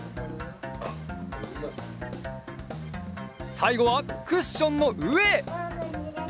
さいごはクッションのうえ！